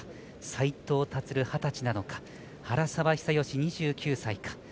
斉藤立、二十歳なのか原沢久喜、２９歳か。